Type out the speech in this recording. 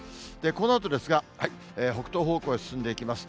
このあとですが、北東方向へ進んでいきます。